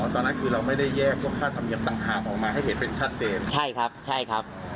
ตอนนั้นคือเราไม่ได้แยกพวกค่าธรรมเนียมต่างหากออกมาให้เห็นเป็นชัดเจนใช่ครับใช่ครับ